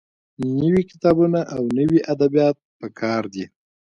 نوي کتابونه او نوي ادبيات پکار دي.